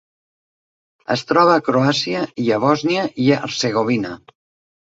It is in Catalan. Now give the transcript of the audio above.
Es troba a Croàcia i a Bòsnia i Hercegovina.